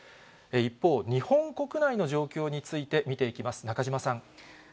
一方、日本国内の状況について、見ていきます、中島さん。